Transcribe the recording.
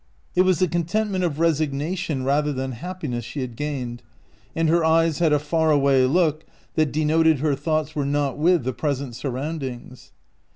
It was the contentment of resigna tion rather than happiness she had gained, and her eyes had a far away look that denoted her thoughts were not with the present surroundings.